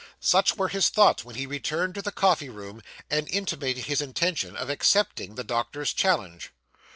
Such were his thoughts when he returned to the coffee room, and intimated his intention of accepting the doctor's challenge.